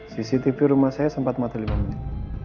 cctv rumah saya sempat mati lima menit